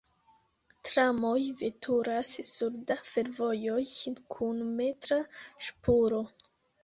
Tramoj veturas sur da fervojoj kun metra ŝpuro.